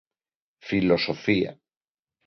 Filosofía.